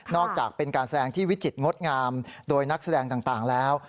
จากเป็นการแสดงที่วิจิตรงดงามโดยนักแสดงต่างแล้ว